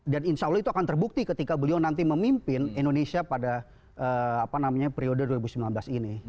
dan insya allah itu akan terbukti ketika beliau nanti memimpin indonesia pada apa namanya periode dua ribu sembilan belas ini